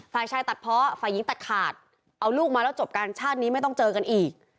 ฝ่ายชายตัดเพาะฝ่ายหญิงตัดขาดเอาลูกมาแล้วจบกันชาตินี้ไม่ต้องเจอกันอีก